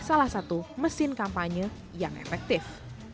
salah satu mesin kampanye yang efektif